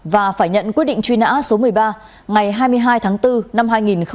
và phải nhận quyết định truy nã số một mươi ba ngày hai mươi hai tháng bốn năm hai nghìn một mươi